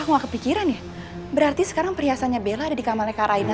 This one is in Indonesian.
aku nggak kepikiran ya berarti sekarang perhiasannya bella di kamarnya kak raina